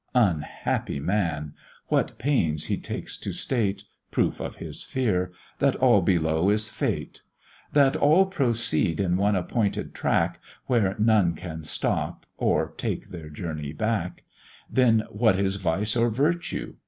Unhappy man! what pains he takes to state (Proof of his fear!) that all below is fate; That all proceed in one appointed track, Where none can stop, or take their journey back: Then what is vice or virtue?